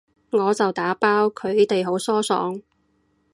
我就打包，佢哋好疏爽